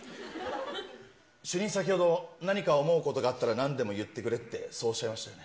主任、先ほど何か思うことがあったら、なんでも言ってくれって、そうおっしゃいましたよね？